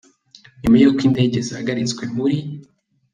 Nyuma y’uko indege zihagaritswe muri